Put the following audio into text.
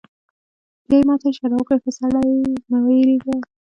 بیا یې ما ته اشاره وکړه: ښه سړی، مه وېرېږه.